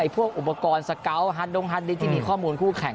พวกอุปกรณ์สเกาะฮันดงฮันดึกที่มีข้อมูลคู่แข่ง